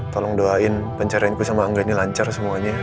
tolong doain pencarianku sama angga ini lancar semuanya